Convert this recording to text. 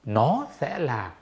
nó sẽ là